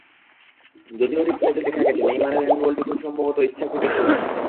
যদিও রিপ্লেতে দেখা গেছে, নেইমারের হ্যান্ডবলটি খুব সম্ভবত ইচ্ছাকৃত ছিল না।